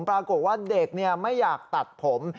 ปรากฏว่าเด็กไม่อยากตัดผม